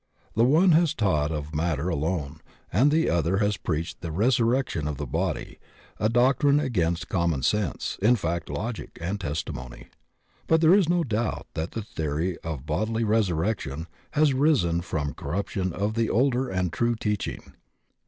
The one has taught of matter alone and the other has preached the resurrection of the body, a doctrine against common sense, fact, logic, and testimony. But there is no doubt that the theory of the bodily resur rection has arisen from the corruption of the older and true teaching.